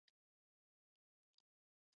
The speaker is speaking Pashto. مارغان ګور والوتل.